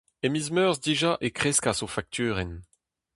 E miz Meurzh dija e kreskas o fakturenn.